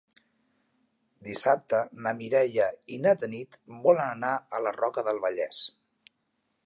Dissabte na Mireia i na Tanit volen anar a la Roca del Vallès.